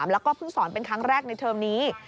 แล้วก็เพิ่งสอนเป็นครั้งแรกในเทอมนี้